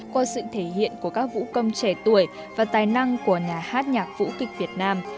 qua sự thể hiện của các vũ công trẻ tuổi và tài năng của nhà hát nhạc vũ kịch việt nam